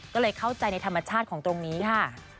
ก็เลยเข้าใจในธรรมชาติของตรงนี้ค่ะ